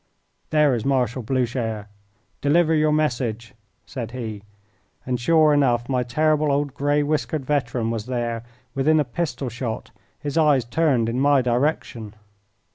"There is Marshal Blucher. Deliver your message!" said he, and sure enough, my terrible old grey whiskered veteran was there within a pistol shot, his eyes turned in my direction.